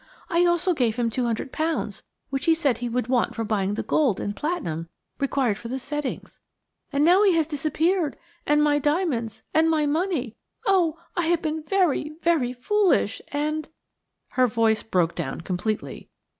I also gave him two hundred pounds, which he said he would want for buying the gold and platinum required for the settings. And now he has disappeared–and my diamonds–and my money! Oh! I have been very–very foolish–and–" Her voice broke down completely.